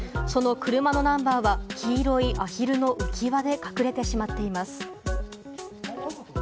その車のナンバーは黄色いアヒルの浮輪で隠れてしまっています。